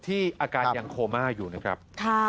อาการยังโคม่าอยู่นะครับ